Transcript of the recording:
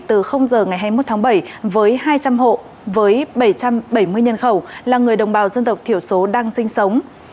từ giờ ngày hai mươi một tháng bảy với hai trăm linh hộ với bảy trăm bảy mươi nhân khẩu là người đồng bào dân tộc thiểu số đang sinh sống